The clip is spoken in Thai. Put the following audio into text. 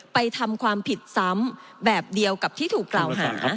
ทำความผิดซ้ำแบบเดียวกับที่ถูกกล่าวหา